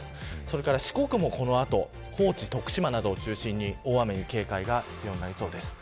四国もこの後、高知、徳島などを中心に大雨に警戒が必要になりそうです。